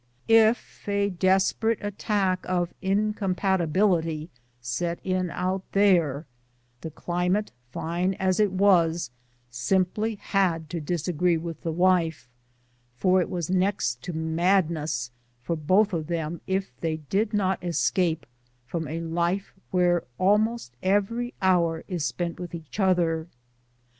If a desperate attack of incompatibility set in out there, the climate, fine as it was, simply had to disagree with the wife, for it was next to madness for both of them if they did not escape from a life where almost every hour is spent with each other.